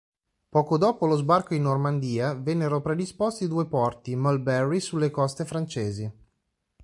Poco dopo lo sbarco in Normandia, vennero predisposti due porti Mulberry sulle coste francesi.